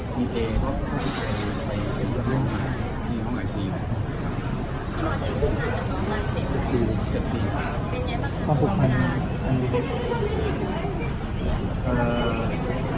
ปีเอแล้วที่สมัยสีนะครับครับ